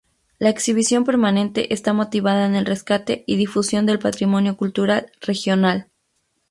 La exhibición permanente está motivada en el rescate y difusión del patrimonio cultural regional.